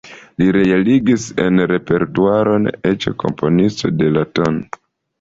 Li realigis en repertuaron eĉ komponiston de la tn.